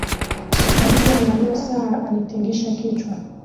Alipoangalia saa alitingisha kichwa